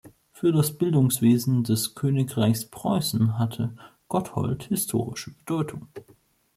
Für das Bildungswesen des Königreichs Preußen hatte Gotthold historische Bedeutung.